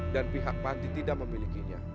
dan pihak panti tidak memilikinya